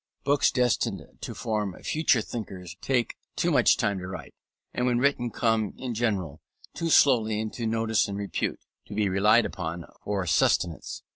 Books destined to form future thinkers take too much time to write, and when written come, in general, too slowly into notice and repute, to be relied on for subsistence.